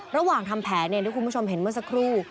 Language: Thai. ระหว่างทำแผนอย่างที่คุณผู้ชมเห็นเมื่อสักครู่